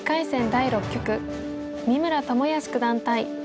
第６局三村智保九段対呉柏毅